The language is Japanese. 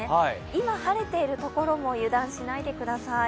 今晴れている所も油断しないでください。